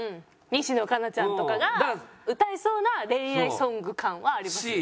西野カナちゃんとかが歌いそうな恋愛ソング感はあります。